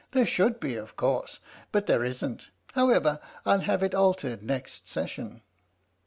There should be, of course, but there isn't. However, 111 have it altered next session."